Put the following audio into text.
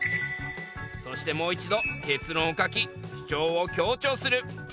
そしてもう一度結論を書き主張を強調する。